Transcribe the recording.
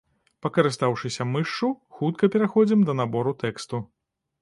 Пакарыстаўшыся мышшу, хутка пераходзім да набору тэксту.